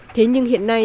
thế nhưng hiện nay